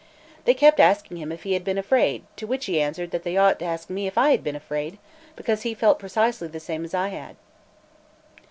They kept asking him if he had been afraid; to which he answered that they ought to ask me if I had been afraid, because he felt precisely the same as I had.